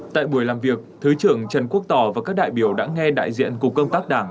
tại buổi làm việc thứ trưởng trần quốc tỏ và các đại biểu đã nghe đại diện cục công tác đảng